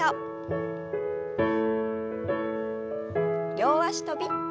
両脚跳び。